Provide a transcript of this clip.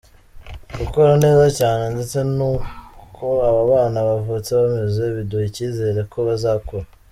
"Gukora neza cyane ndetse n'uko aba bana bavutse bameze, biduha icyizere ko bazakura.